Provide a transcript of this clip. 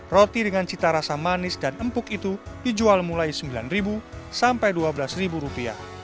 roti dengan cita rasa manis dan empuk itu dijual mulai rp sembilan sampai rp dua belas